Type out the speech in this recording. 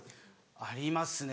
ありますね